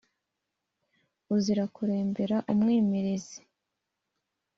uzira kurembera umwimirizi